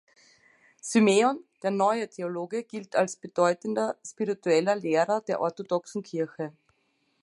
Symeon der Neue Theologe gilt als bedeutender spiritueller Lehrer der orthodoxen Kirche.